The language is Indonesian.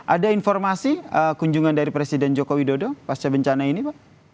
ada informasi kunjungan dari presiden joko widodo pasca bencana ini pak